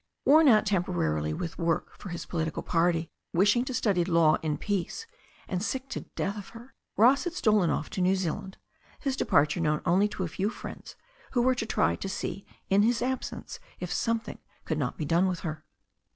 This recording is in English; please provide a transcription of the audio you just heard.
Worn out temporarily with work for his political party, wishing to study law in peace, and sick to death of her, Ross had stolen off to New Zealand, his departure known only to a few friends, who were to try to see in his absence if something could not be done with her.